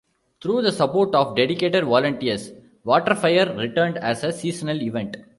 Through the support of dedicated volunteers, WaterFire returned as a seasonal event.